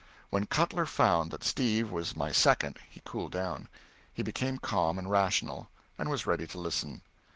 When Cutler found that Steve was my second he cooled down; he became calm and rational, and was ready to listen.